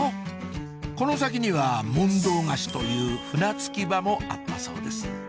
この先には問答河岸という船着き場もあったそうです